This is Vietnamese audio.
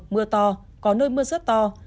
mưa to có nơi mưa rất to